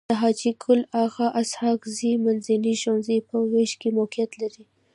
د حاجي ګل اغا اسحق زي منځنی ښوونځی په ويش کي موقعيت لري.